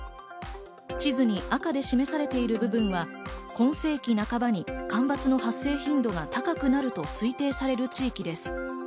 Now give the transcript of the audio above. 地図に赤で示されている部分は今世紀半ばに干ばつの発生頻度が高くなると推定される地域です。